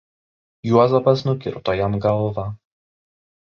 Juozapas nukirto jam galvą.